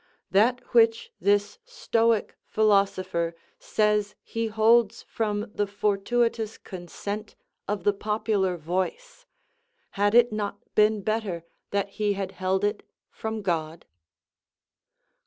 That which this Stoic philosopher says he holds from the fortuitous consent of the popular voice; had it not been better that he had held it from God?